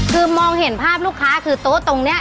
คือมองเห็นภาพลูกค้าคือโต๊ะตรงนี้